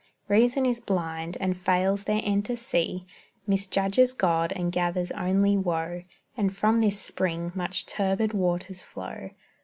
Reason is blind, and fails their end to see, Misjudges God and gathers only woe, And from this spring much turbid waters flow.